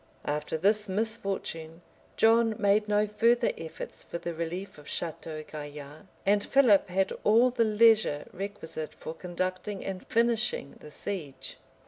After this misfortune, John made no further efforts for the relief of Château Gaillard: and Philip had all the leisure requisite for conducting and finishing the siege.